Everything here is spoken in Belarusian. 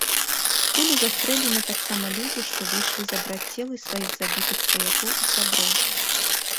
Былі застрэлены таксама людзі, што выйшлі забраць целы сваіх забітых сваякоў і сяброў.